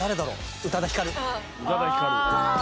宇多田ヒカル。